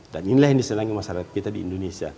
dan inilah yang disenangi masyarakat kita di indonesia